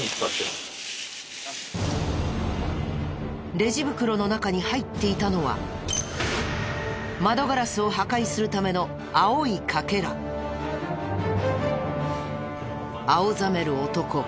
レジ袋の中に入っていたのは窓ガラスを破壊するための青ざめる男。